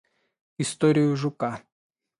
Историю жука?